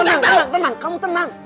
sama sama udah tenang tenang kamu tenang